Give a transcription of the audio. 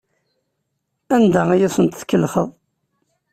Anda ay asent-tkellxeḍ?